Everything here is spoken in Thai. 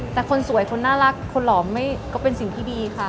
แต่คนสวยคนน่ารักคนหล่อก็เป็นสิ่งที่ดีค่ะ